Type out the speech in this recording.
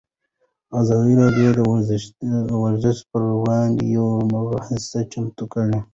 ازادي راډیو د ورزش پر وړاندې یوه مباحثه چمتو کړې.